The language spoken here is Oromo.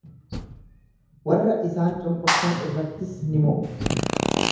Warra isaan cunqursan irrattis ni mo’u.